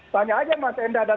tanya aja mas enda dan